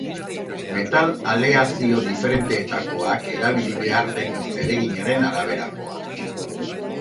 Metal aleazio diferenteetakoak, erabili behar den zereginaren araberakoa.